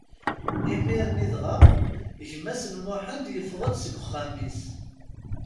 Imir-nni dɣa, gma-s n Mḥend yeffeɣ-d seg uxxam-is.